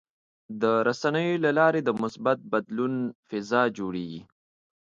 د رسنیو له لارې د مثبت بدلون فضا جوړېږي.